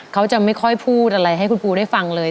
เขาจะไม่ค่อยพูดอะไรให้คุณปูได้ฟังเลย